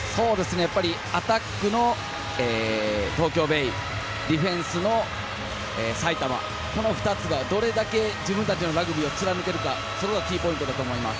アタックの東京ベイ、ディフェンスの埼玉、この２つがどれだけ自分たちのラグビーを貫けるか、そこがキーポイントだと思います。